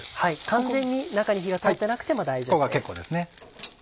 完全に中に火が通ってなくても大丈夫です。